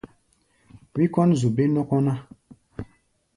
Wí kɔ́n zu bé-nɔ́kɔ́ ná.